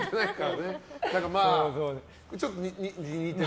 ちょっと似てる？